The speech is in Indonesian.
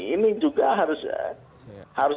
ini juga harus